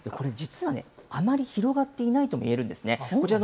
これ実はね、あまり広がっていないともいえるんですね。